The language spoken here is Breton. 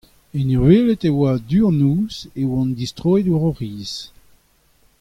en ur welet e oa du an noz e oant distroet war o c'hiz.